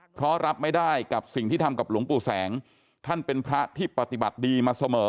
เพราะรับไม่ได้กับสิ่งที่ทำกับหลวงปู่แสงท่านเป็นพระที่ปฏิบัติดีมาเสมอ